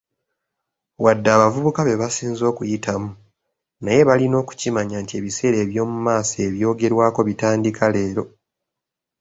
Wadde abavubuka be basinze okuyitamu, naye balina okukimanya nti ebiseera eby'omumaaso ebyogerwako bitandika leero.